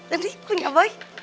ini punya boy